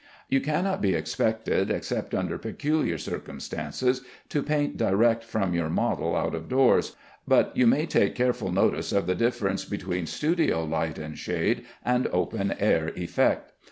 You cannot be expected, except under peculiar circumstances, to paint direct from your model out of doors, but you may take careful notice of the difference between studio light and shade and open air effect.